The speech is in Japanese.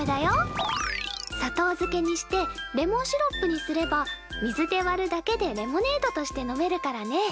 砂糖漬けにしてレモンシロップにすれば水で割るだけでレモネードとして飲めるからね。